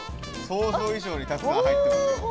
想像以上にたくさん入ってますよ！